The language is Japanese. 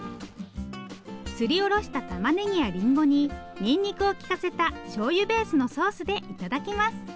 すりおろしたたまねぎやリンゴににんにくをきかせたしょうゆベースのソースで頂きます。